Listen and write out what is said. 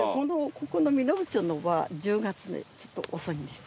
ここの身延町のは１０月でちょっと遅いんです。